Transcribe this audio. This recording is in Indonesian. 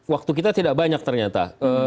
waktu kita tidak banyak ternyata